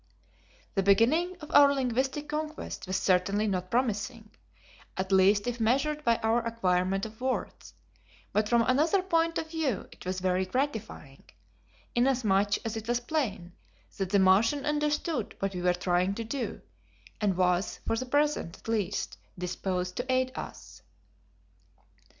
The beginning of our linguistic conquest was certainly not promising, at least if measured by our acquirement of words, but from another point of view it was very gratifying, inasmuch as it was plain that the Martian understood what we were trying to do, and was, for the present, at least, disposed to aid us.